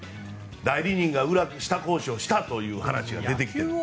代理人が下交渉したという話が出てきています。